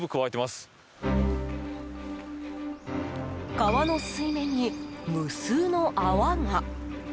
川の水面に無数の泡が。